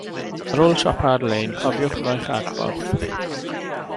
Ar ôl siopa ar-lein, cofiwch roi'ch adborth.